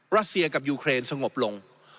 รัสเซียกับยูเครนสงบลง